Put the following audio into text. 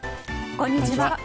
こんにちは。